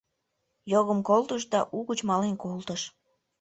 Йогым колтыш да угыч мален колтыш...